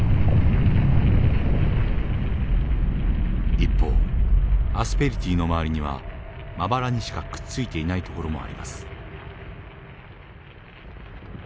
一方アスペリティの周りにはまばらにしかくっついていない所もあります。